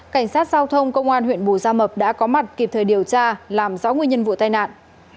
cảnh sát giao thông công an huyện bù gia mập đã có mặt kịp thời điều tra làm rõ nguyên nhân vụ tai nạn